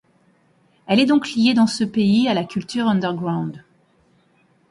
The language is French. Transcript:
Elle est donc liée dans ce pays à la culture underground.